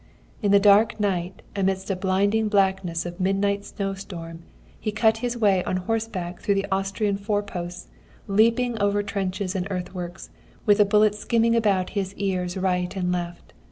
In the dark night, amidst a blinding blackness of midnight snow storm, he cut his way on horseback through the Austrian foreposts, leaping over trenches and earth works, with the bullets skimming about his ears right and left.